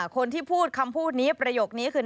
คนที่พูดคำพูดนี้ประโยคนี้คือ